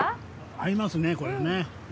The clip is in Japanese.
合いますねこれね。